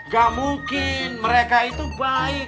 gak mungkin mereka itu baik